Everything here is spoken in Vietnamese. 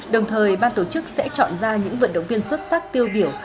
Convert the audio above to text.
đồng thời ban tổ chức sẽ chọn ra những vận động viên xuất sắc tiêu biểu